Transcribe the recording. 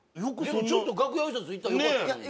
でもちょっと楽屋挨拶行ったらよかったのに。